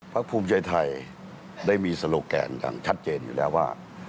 ภูมิใจไทยได้มีโลแกนอย่างชัดเจนอยู่แล้วว่า